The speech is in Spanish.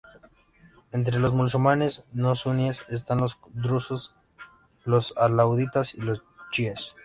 Entre los musulmanes no sunníes están los drusos, los alauitas y los chiíes.